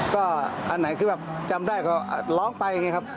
ก็อันไหนคือแบบจำได้ก็ร้องไปอย่างนี้ครับ